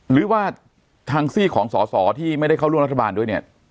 หรือว่าทางซี่ของสอสอที่ไม่ได้เข้าร่วมรัฐบาลด้วยเนี่ย